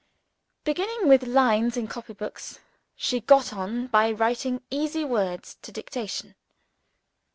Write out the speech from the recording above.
Beginning with lines in copybooks, she got on to writing easy words to dictation.